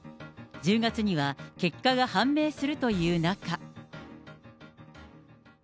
１０月には結果が判明するという中。